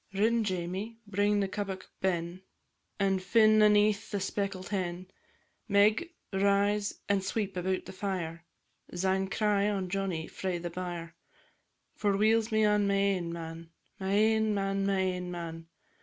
Rin, Jamie, bring the kebbuck ben, And fin' aneath the speckled hen; Meg, rise and sweep about the fire, Syne cry on Johnnie frae the byre. For weel's me on my ain man, My ain man, my ain man!